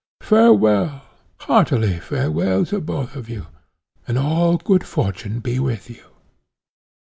Farewell! heartily farewell to both of you. And all good fortune be with you."